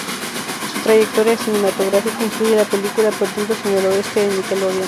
Su trayectoria cinematográfica incluye la película "Perdidos en el oeste" de Nickelodeon.